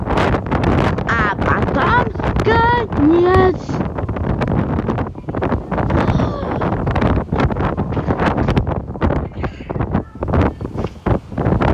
В этой связи следовало бы начать процесс обсуждения и укрепления регионального подхода.